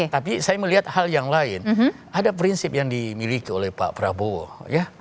tapi saya melihat hal yang lain ada prinsip yang dimiliki oleh pak prabowo ya